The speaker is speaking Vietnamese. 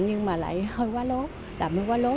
nhưng mà lại hơi quá lố